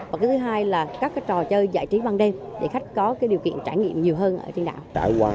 và thứ hai là các trò chơi giải trí ban đêm để khách có điều kiện trải nghiệm nhiều hơn ở trên đảo